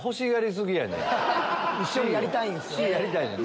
一緒にやりたいんよね。